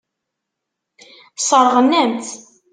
Sseṛɣen-am-tt.